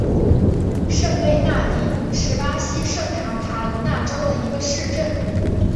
圣贝纳迪努是巴西圣卡塔琳娜州的一个市镇。